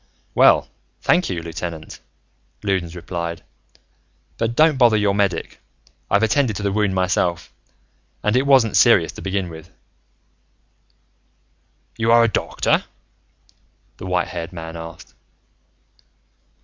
"Well, thank you, lieutenant," Loudons replied. "But don't bother your medic. I've attended to the wound myself, and it wasn't serious to begin with." "You are a doctor?" the white haired man asked.